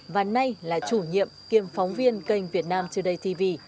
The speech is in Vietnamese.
và nay là chủ nhiệm kiêm phóng viên kênh việt nam today tv